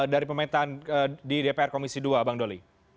dari pemetaan di dpr komisi dua bang doli